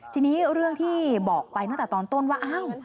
ทีนี้เรื่องที่บอกไปตั้งแต่ตอนต้นว่าอ้าว